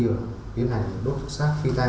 và tiến hành đốt sát phi tan